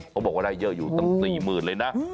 เขาบอกว่าได้เยอะอยู่ตั้งสี่หมื่นเลยนะ